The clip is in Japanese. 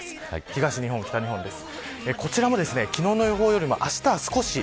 東日本、北日本です。